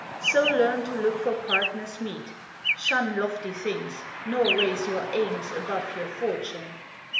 So learn to look for partners meet, Shun lofty things, nor raise your aims Above your fortune.